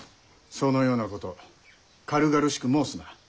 そのようなこと軽々しく申すな。